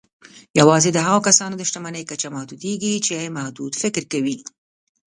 يوازې د هغو کسانو د شتمني کچه محدودېږي چې محدود فکر کوي.